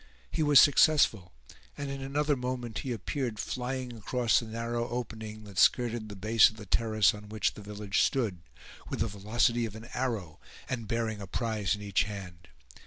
He was successful; and in another moment he appeared flying across the narrow opening that skirted the base of the terrace on which the village stood, with the velocity of an arrow, and bearing a prize in each hand.